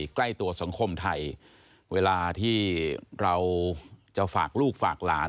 ใกล้ตัวสังคมไทยเวลาที่เราจะฝากลูกฝากหลาน